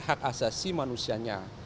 hak asasi manusianya